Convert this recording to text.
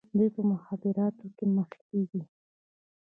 دوی په مخابراتو کې مخکې دي.